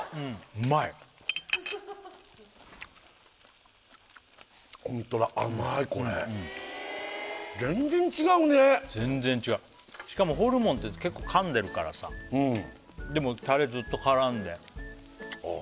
うまいホントだ全然違うね全然違うしかもホルモンって結構噛んでるからさでもタレずっと絡んでああ